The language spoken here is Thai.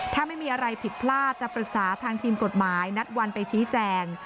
ถ้าไม่มีอะไรผิดพลาดจะปรึกษาทางทีมกฎหมายนัดวันไปชี้แจง